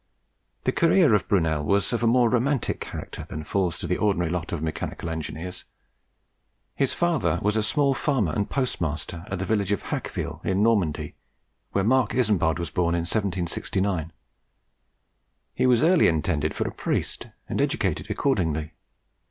The career of Brunel was of a more romantic character than falls to the ordinary lot of mechanical engineers. His father was a small farmer and postmaster, at the village of Hacqueville, in Normandy, where Marc Isambard was born in 1769. He was early intended for a priest, and educated accordingly.